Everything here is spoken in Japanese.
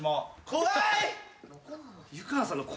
怖い！